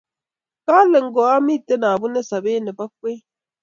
kale ngo amiten abunee sobet nebo kwen